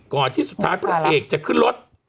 ที่สุดท้ายพระเอกจะขึ้นรถ